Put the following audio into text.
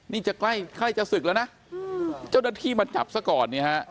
นี่จะใกล้จะศึกแล้วนะเจ้าหน้าที่มาจับซะก่อน